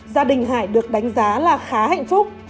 gia đình hải được đánh giá là khá hạnh phúc